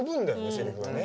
セリフがね。